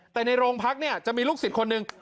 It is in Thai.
แต่ในโรงพักเนี่ยจะมีลูกศิษย์คนหนึ่ง